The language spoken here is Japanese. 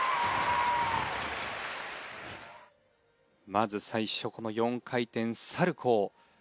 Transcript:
まず最初この４回転サルコー。